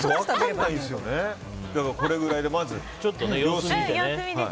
これぐらいで、まず様子見で。